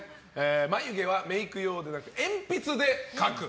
眉毛はメイク用でなく鉛筆で描く。